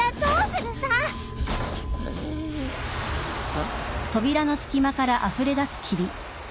あっ？